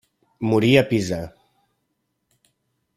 Morí a Pisa.